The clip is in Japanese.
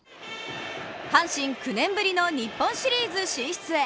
阪神、９年ぶりの日本シリーズ進出へ。